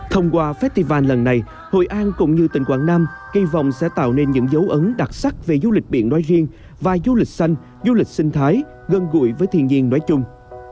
thông qua festival lần này hội an cũng như tỉnh quảng nam kỳ vọng sẽ tạo nên những dấu ấn đặc sắc về du lịch biển nói riêng và du lịch xanh du lịch sinh thái gần gũi với thiên nhiên nói chung